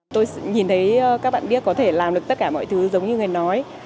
tôi nhìn thấy các bạn biết có thể làm được tất cả mọi thứ giống như người nói